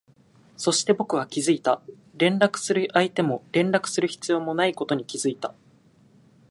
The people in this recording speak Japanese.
そして、僕は気づいた、連絡する相手も連絡する必要もないことに気づいた